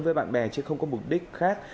với bạn bè chứ không có mục đích khác